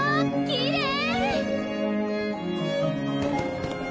きれい！